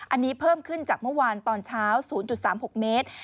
อันนี้เพิ่มขึ้นจากเมื่อวานตอนเช้า๐๓๖เมตร